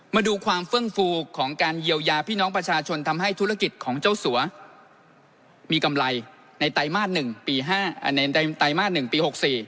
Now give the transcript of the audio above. มาดูความเฟื่องฟูของการเยียวยาพี่น้องประชาชนทำให้ธุรกิจของเจ้าสัวมีกำไรในไตรมาส๑ปี๕ในไตรมาส๑ปี๖๔